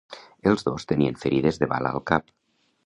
Els dos tenien ferides de bala al cap.